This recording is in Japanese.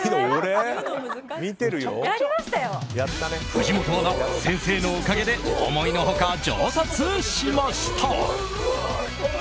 藤本アナ、先生のおかげで思いの外、上達しました。